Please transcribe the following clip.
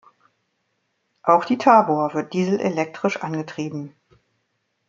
Auch die Tábor wird dieselelektrisch angetrieben.